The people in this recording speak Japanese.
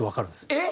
えっ？